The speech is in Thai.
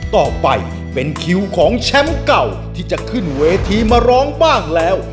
ต่อไปเป็นคิวของแชมป์เก่าที่จะขึ้นเวทีมาร้องบ้างแล้ว